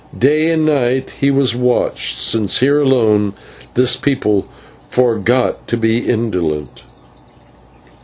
Day and night he was watched, since here alone this people forgot to be indolent.